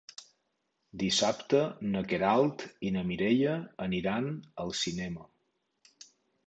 Dissabte na Queralt i na Mireia aniran al cinema.